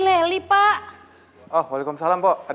leli tak munckan